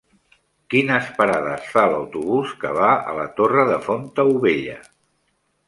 Quines parades fa l'autobús que va a la Torre de Fontaubella?